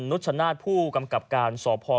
นุชนาศผู้กำกับการสอบพอร์